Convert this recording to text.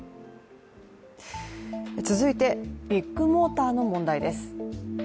続いて、ビッグモーターの問題です。